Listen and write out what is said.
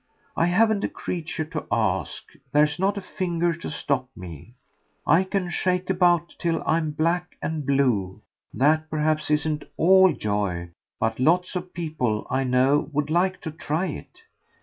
I haven't a creature to ask there's not a finger to stop me. I can shake about till I'm black and blue. That perhaps isn't ALL joy; but lots of people, I know, would like to try it."